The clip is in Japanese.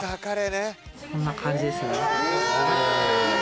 こんな感じですね。